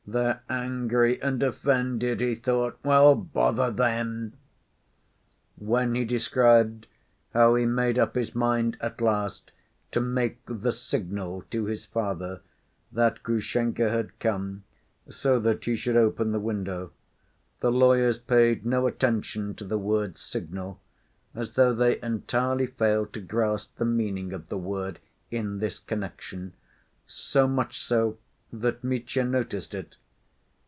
"They're angry and offended," he thought. "Well, bother them!" When he described how he made up his mind at last to make the "signal" to his father that Grushenka had come, so that he should open the window, the lawyers paid no attention to the word "signal," as though they entirely failed to grasp the meaning of the word in this connection: so much so, that Mitya noticed it.